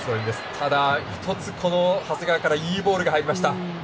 ただ一つ長谷川からいいボールが入りました。